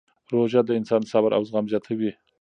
روژه د انسان صبر او زغم زیاتوي.